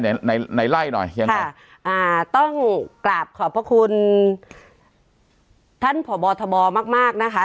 ไหนไหนไล่หน่อยค่ะอ่าต้องกราบขอบพระคุณท่านผ่อบอร์ธบอร์มากมากนะคะ